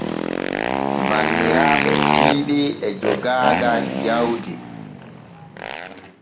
Banniraaɓe tiiɗe e jogaaga jaudi.